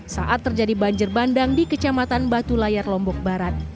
saat terjadi banjir bandang di kecamatan batu layar lombok barat